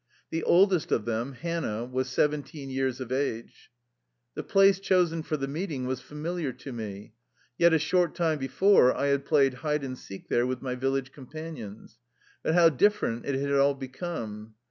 The oldest of them, Hannah, was seventeen years of age. The place chosen for the meeting was familiar to me. Yet a short time before I had played hide and seek there with my village companions. But how different it had all become